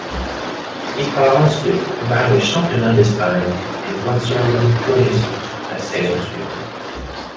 Il part ensuite vers le championnat d'Espagne des voitures de tourisme la saison suivante.